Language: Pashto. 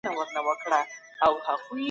رسول الله د حقونو د ادا کولو لارښوونه کړې.